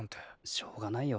しょうがないよ。